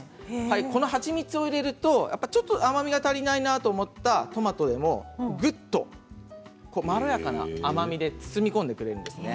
この蜂蜜を入れるとちょっと甘みが足りないなと思ったトマトでもぐっとまろやかな甘みで包み込んでくれるんですね。